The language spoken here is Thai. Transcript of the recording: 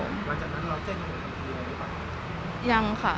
อเจมส์หลังจากนั้นเราเจ็บหัวอยู่ไหนหรือเปล่า